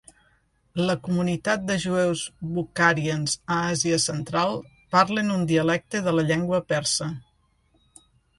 La comunitat de jueus Bukharians a Asia Central parlen un dialecte de la llengua persa.